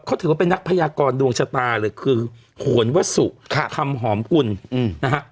เขาถือว่าเป็นนักพยากรดวงชะตาเลยคือโหนวสุธรรมหอมกุลนะฮะ